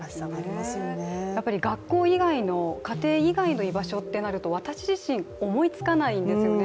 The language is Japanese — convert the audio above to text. やっぱり学校以外、家庭以外の居場所ってなると私自身思いつかないんですよね。